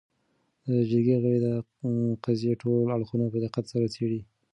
. د جرګې غړي د قضیې ټول اړخونه په دقت سره څېړي